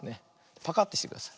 パカッてしてください。